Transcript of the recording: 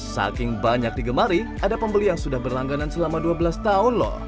saking banyak digemari ada pembeli yang sudah berlangganan selama dua belas tahun lho